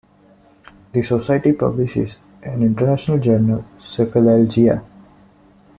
The society publishes an international journal "Cephalalgia".